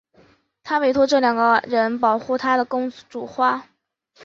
她委托这两个人保护她的公主花。